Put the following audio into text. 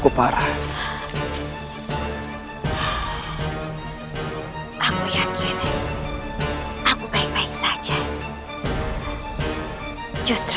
kulihkan tenagamu dulu